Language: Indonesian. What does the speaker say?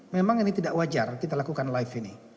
memang ini tidak wajar kita lakukan live ini